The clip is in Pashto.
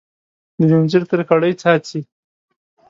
د ځنځیر تر کړۍ څاڅي